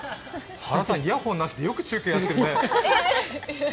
原さん、イヤホンなしでよく中継やってるね。